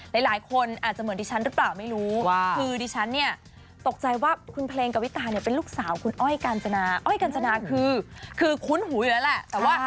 หลายคนอาจจะเหมือนดิฉันหรือเปล่าไม่รู้คือดิฉันเนี่ยตกใจว่าคุณเพลงกวิตาเนี่ยเป็นลูกสาวคุณอ้อยกาญจนาอ้อยกาญจนาคือคุ้นหูอยู่แล้วแหละแต่ว่า